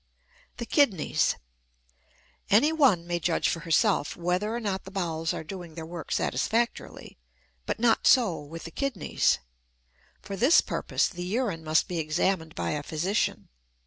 THE KIDNEYS. Any one may judge for herself whether or not the bowels are doing their work satisfactorily, but not so with the kidneys. For this purpose the urine must be examined by a physician.